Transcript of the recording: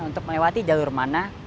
untuk melewati jalur mana